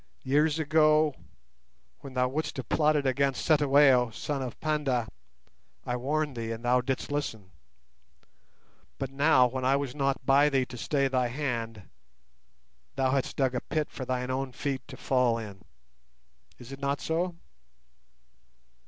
Years ago, when thou wouldst have plotted against Cetywayo, son of Panda, I warned thee, and thou didst listen. But now, when I was not by thee to stay thy hand, thou hast dug a pit for thine own feet to fall in. Is it not so?